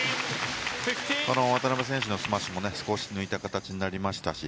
渡辺選手のスマッシュも少し抜いた形になりましたし